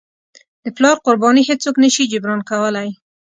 د پلار قرباني هیڅوک نه شي جبران کولی.